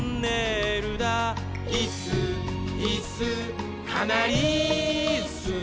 「いっすーいっすーかなりいっすー」